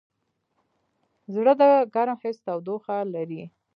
زړه د ګرم حس تودوخه لري.